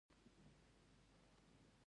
رسوب د افغان ماشومانو د زده کړې یوه موضوع ده.